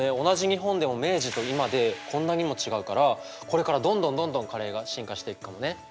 同じ日本でも明治と今でこんなにも違うからこれからどんどんどんどんカレーが進化していくかもね。